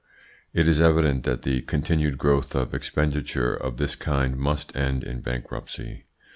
It is evident that the continued growth of expenditure of this kind must end in bankruptcy.